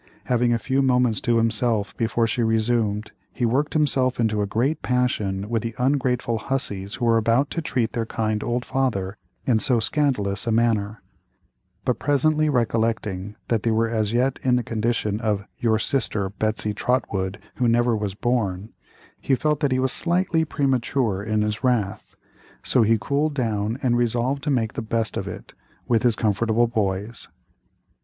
Having a few moments to himself before she resumed, he worked himself into a great passion with the ungrateful hussies who were about to treat their kind old father in so scandalous a manner; but presently recollecting that they were as yet in the condition of "your sister, Betsey Trotwood, who never was born," he felt that he was slightly premature in his wrath, so he cooled down and resolved to make the best of it with his comfortable boys.